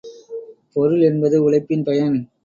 பொருள் என்பது உழைப்பின் பயன்.